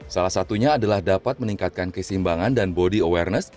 salah satunya adalah dapat meningkatkan keseimbangan dan body awareness